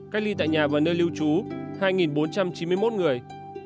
cách ly tại nhà và nơi lưu trú hai bốn trăm chín mươi một người